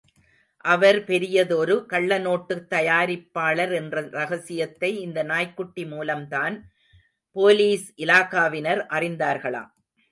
அவர் பெரியதொரு கள்ளநோட்டுத் தயாரிப்பாளர் என்ற ரகசியத்தை இந்த நாய்க்குட்டி மூலம்தான் போலீஸ் இலாகாவினர் அறிந்தார்களாம்.